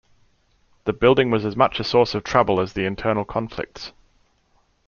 The building was as much a source of trouble as the internal conflicts.